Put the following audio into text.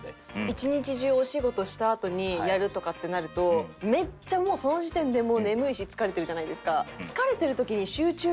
一日中お仕事したあとにやるとかってなるとめっちゃもうその時点で眠いし疲れてるじゃないですか。